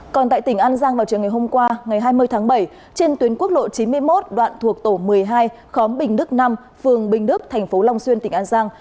còn tại tỉnh an giang vào trường ngày hôm qua ngày hai mươi tháng bảy trên tuyến quốc lộ chín mươi một đoạn thuộc tổ một mươi hai khóm bình đức năm phường bình đức thành phố long xuyên tỉnh an giang